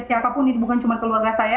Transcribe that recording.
siapapun itu bukan cuma keluarga saya